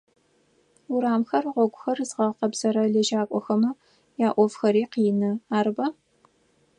Урамхэр, гъогухэр зыгъэкъэбзэрэ лэжьакӏохэмэ яӏофхэри къины, арыба?